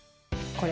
これ？